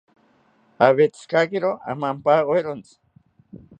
Awetzikakiro omampawerontzi